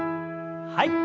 はい。